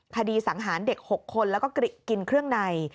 สังหารเด็ก๖คนแล้วก็กินเครื่องใน